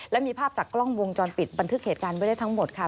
และมีภาพจากกล้องวงจรปิดบันทึกเหตุการณ์ไว้ได้ทั้งหมดค่ะ